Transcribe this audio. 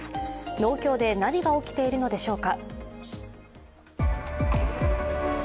農協で何が起きているのでしょうか。